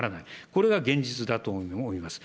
これが現実だと思います。